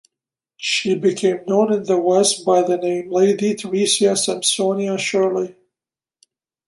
She became known in the west by the name "Lady Teresia Sampsonia Shirley".